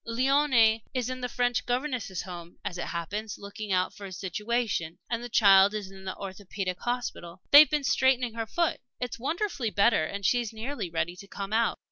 "Léonie is in the French Governesses' Home, as it happens, looking out for a situation, and the child is in the Orthopædic Hospital. They've been straightening her foot. It's wonderfully better, and she's nearly ready to come out."